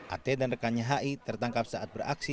at dan rekannya hi tertangkap saat beraksi